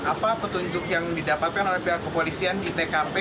apa petunjuk yang didapatkan oleh pihak kepolisian di tkp